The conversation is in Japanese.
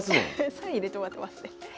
サイン入れてもらってますね。